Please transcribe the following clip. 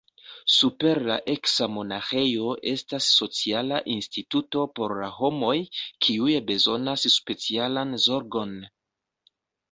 Super la eksa monaĥejo estas sociala instituto por la homoj, kiuj bezonas specialan zorgon.